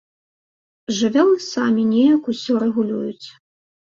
Жывёлы самі неяк усё рэгулююць.